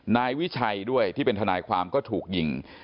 นายวิชัยด้วยที่เป็นทนายความก็ถูกยิง